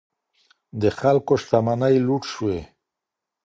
د خلکو شتمنۍ لوټ شوې.